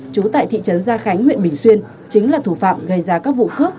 trú tại thị trấn gia khánh huyện bình xuyên chính là thủ phạm gây ra các vụ cướp